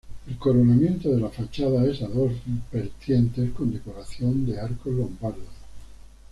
El coronamiento de la fachada es a dos vertientes con decoración de arcos lombardos.